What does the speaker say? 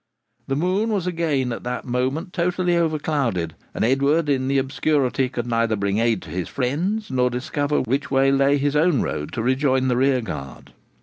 The moon was again at that moment totally overclouded, and Edward, in the obscurity, could neither bring aid to his friends nor discover which way lay his own road to rejoin the rear guard.